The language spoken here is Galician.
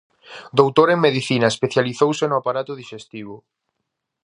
Doutor en Medicina, especializouse no aparato dixestivo.